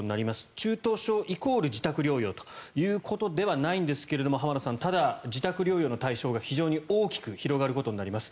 中等症イコール自宅療養ということではないんですけれども浜田さん、ただ自宅療養の対象が非常に大きく広がることになります。